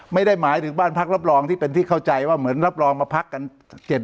ไม่ได้หมายถึงบ้านพักรับรองที่เป็นที่เข้าใจว่าเหมือนรับรองมาพักกัน